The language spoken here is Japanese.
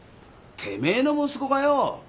てめえの息子がよ